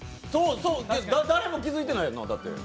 誰も気付いてないよな。